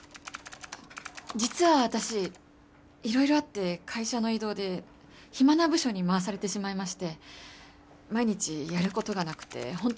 実は私いろいろあって会社の異動で暇な部署に回されてしまいまして毎日やる事がなくて本当につらくて。